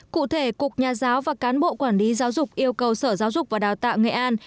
cụ thể cục nhà giáo và cán bộ quản lý giáo dục yêu cầu sở giáo dục và đào tạo nghệ an